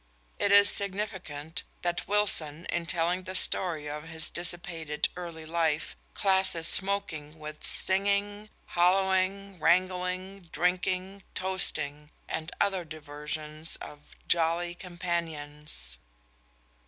It is significant that Wilson, in telling the story of his dissipated early life, classes smoking with "singing, holloaing, wrangling, drinking, toasting," and other diversions of "jolly companions."